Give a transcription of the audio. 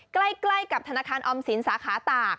ใกล้กับธนาคารออมสินสาขาตาก